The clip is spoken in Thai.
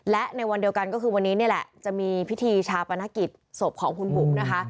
และในวันเดียวกันก็คือวันนี้นี่แหละจะมีพิธีชาปนกิจศพของคุณบุ๋มนะคะ